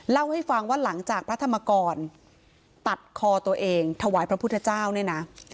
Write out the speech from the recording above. เล่าให้ฟังว่าหลังจากพระธรรมกรตัดคอตัวเองถวายพระพุทธเจ้าเนี่ยนะ